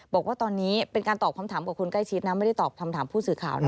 บอกว่าตอนนี้เป็นการตอบคำถามกับคนใกล้ชิดนะไม่ได้ตอบคำถามผู้สื่อข่าวนะ